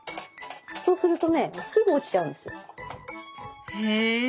そうするとねすぐ落ちちゃうんですよ。へ